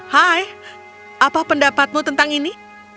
hai apa pendapatmu tentang ini